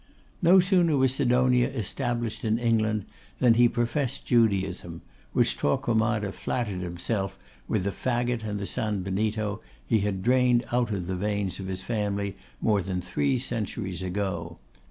No sooner was Sidonia established in England than he professed Judaism; which Torquemada flattered himself, with the fagot and the San Benito, he had drained out of the veins of his family more than three centuries ago.